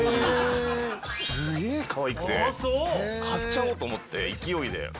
買っちゃおうと思って勢いで。